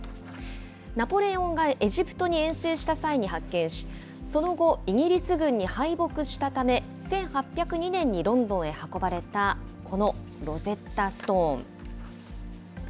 ナポレオンがエジプトに遠征した際に発見し、その後、イギリス軍に敗北したため、１８０２年にロンドンへ運ばれたこのロゼッタストーン。